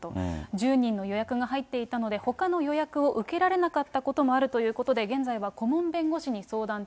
１０人の予約が入っていたので、ほかの予約を受けられなかったこともあるということで、現在は顧問弁護士に相談中。